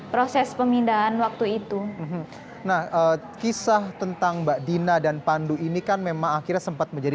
proses pemindahan waktu itu nah kisah tentang mbak dina dan pandu ini kan memang akhirnya sempat menjadi